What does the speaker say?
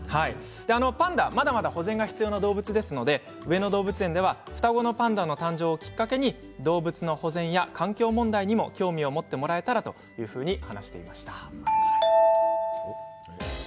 パンダはまだまだ保全が必要な動物ですので上野動物園では双子のパンダの誕生をきっかけに動物の保全や環境問題にも興味を持ってもらえたらと話していました。